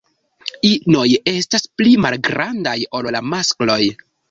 Inoj estas pli malgrandaj ol la maskloj.